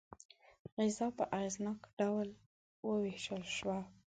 غذا په اغېزناک ډول وویشل شوه.